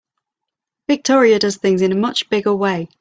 Victoria does things in a much bigger way.